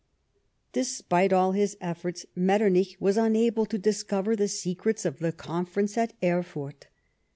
* Despite all his efforts Metternich was unable to dis cover the secrets of the conference at Erfurt.